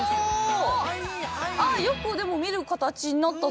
よくでも見るカタチになったぞ。